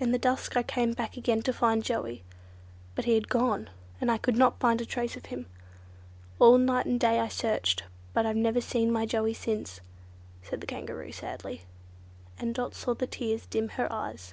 In the dusk I came back again to find Joey, but he had gone, and I could not find a trace of him. All night and all day I searched, but I've never seen my Joey since," said the Kangaroo sadly, and Dot saw the tears dim her eyes.